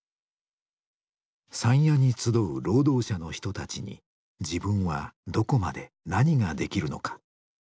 山谷に集う労働者の人たちに自分はどこまで何ができるのか。